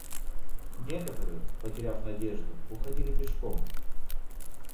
Некоторые, потеряв надежду, уходили пешком.